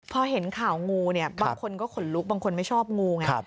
พอเห็นข่าวงูเนี่ยบางคนก็ขนลุกบางคนไม่ชอบงูไง